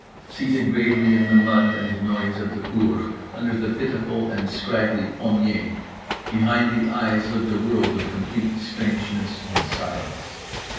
Seated gravely in the mud and noise of the cour, under the pitiful and scraggly pommier… behind the eyes lived a world of complete strangeness and silence.